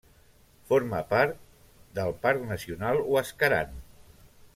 Forma part del Parc Nacional Huascarán.